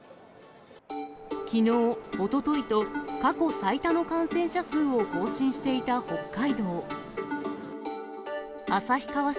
きのう、おとといと、過去最多の感染者数を更新していた北海道。